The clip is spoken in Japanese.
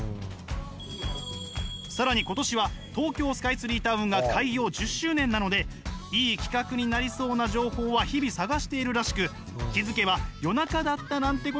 更に今年は東京スカイツリータウンが開業１０周年なのでいい企画になりそうな情報は日々探しているらしく気付けば夜中だったなんてこともあるんです。